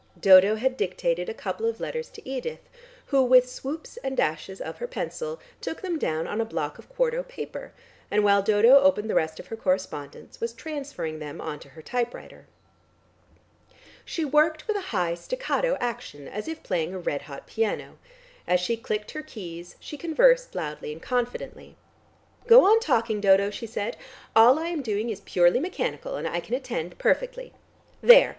Dodo had dictated a couple of letters to Edith, who with swoops and dashes of her pencil took them down on a block of quarto paper, and while Dodo opened the rest of her correspondence was transferring them on to her typewriter. She worked with a high staccato action, as if playing a red hot piano. As she clicked her keys, she conversed loudly and confidently. "Go on talking, Dodo," she said. "All I am doing is purely mechanical, and I can attend perfectly. There!